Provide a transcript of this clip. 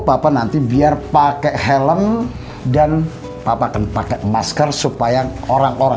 apa berarti aku mau ngelakuin siapa di sana